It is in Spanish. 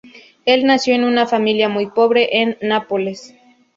Él nació en una familia muy pobre en Nápoles.